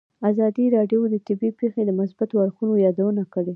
ازادي راډیو د طبیعي پېښې د مثبتو اړخونو یادونه کړې.